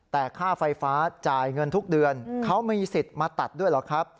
แต่ค่าไฟฟ้าจ่ายเงินทุกเดือนเขามีสิทธิ์มาตัดด้วยเหรอครับ